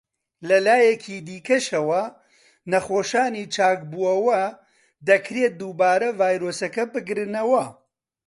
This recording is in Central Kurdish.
لە لایەکی دیکەشەوە، نەخۆشانی چاکبووەوە دەکرێت دووبارە ڤایرۆسەکە بگرنەوە.